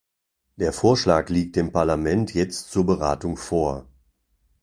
Der Vorschlag liegt dem Parlament jetzt zur Beratung vor.